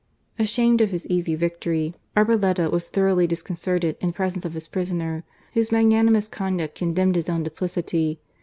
Ashamed of his easy victory, Arboleda was, thoroughly disconcerted in presence of his prisoner, whose magnanimous conduct condemned his own duplicity.